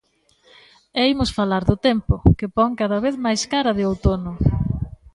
E imos falar do tempo, que pon cada vez máis cara de outono.